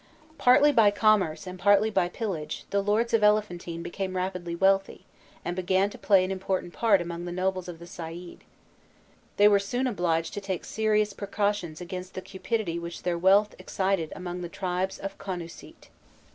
Partly by commerce, and partly by pillage, the lords of Elephantine became rapidly wealthy, and began to play an important part among the nobles of the Said: they were soon obliged to take serious precautions against the cupidity which their wealth excited among the tribes of Konusît.